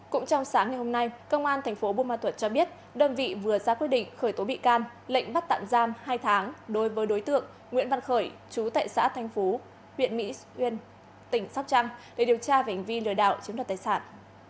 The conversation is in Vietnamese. cũng trong sáng ngày hôm nay công an tp bumatut cho biết đơn vị vừa ra quyết định khởi tố bị can lệnh bắt tạm giam hai tháng đối với đối tượng nguyễn văn khởi chú tại xã tp hcm huyện mỹ xuyên tỉnh sóc trăng để điều tra về hành vi lừa đạo chiếm đoạt tài sản